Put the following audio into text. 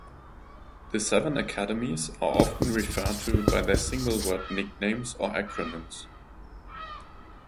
The seven academies are often referred to by their single-word nicknames or acronyms.